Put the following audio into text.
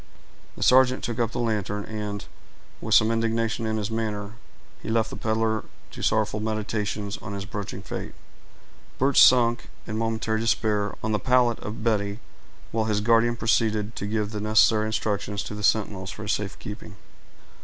The sergeant took up the lantern, and, with some indignation in his manner, he left the peddler to sorrowful meditations on his approaching fate. Birch sank, in momentary despair, on the pallet of Betty, while his guardian proceeded to give the necessary instructions to the sentinels for his safe keeping.